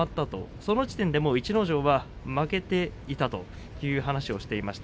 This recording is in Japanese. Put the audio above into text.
その時点で逸ノ城は負けていたという話をしていました。